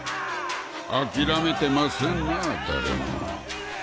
諦めてませんなぁ誰も。